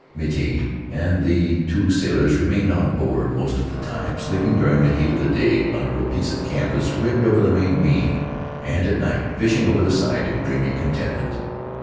Miti and the two sailors remained on board most of the time, sleeping during the heat of the day under a piece of canvas rigged over the main beam, and at night fishing over the side in dreamy contentment.